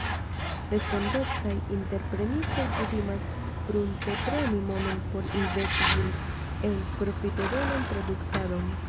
Respondecaj entreprenistoj kutimas pruntepreni monon por investi ĝin en profitodonan produktadon.